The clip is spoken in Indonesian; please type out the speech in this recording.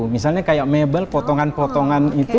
misalnya kayak mebel potongan potongan itu